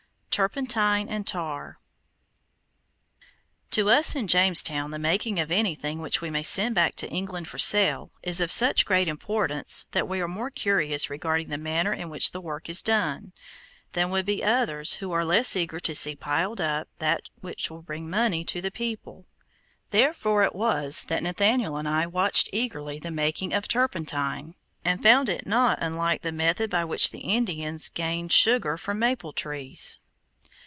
TURPENTINE AND TAR To us in Jamestown the making of anything which we may send back to England for sale, is of such great importance that we are more curious regarding the manner in which the work is done, than would be others who are less eager to see piled up that which will bring money to the people. Therefore it was that Nathaniel and I watched eagerly the making of turpentine, and found it not unlike the method by which the Indians gain sugar from maple trees.